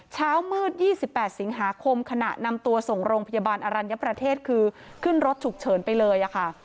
เช้ามืด๒๘สิงหาคมขณะนำตัวส่งโรงพยาบาลอรัญญประเทศคือขึ้นรถฉุกเฉินไปเลยค่ะ